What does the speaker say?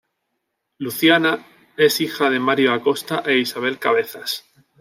Luciana es hija de Mario Acosta e Isabel Cabezas.